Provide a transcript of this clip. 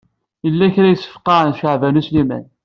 Yella kra i yesfeqɛen Caɛban U Sliman.